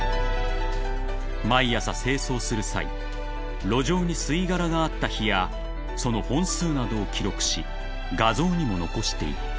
［毎朝清掃する際路上に吸い殻があった日やその本数などを記録し画像にも残していった］